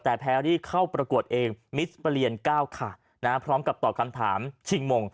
แต่แพ้ที่เข้าประกวดเองมิสประเรียน๙ค่ะพร้อมกับตอบคำถามชิงมง